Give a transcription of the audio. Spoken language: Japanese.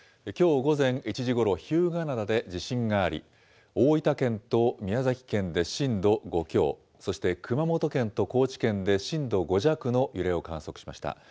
きょう午前１時ごろ、日向灘で地震があり、大分県と宮崎県で震度５強、そして熊本県と高知県で震度５弱の揺れを観測しました。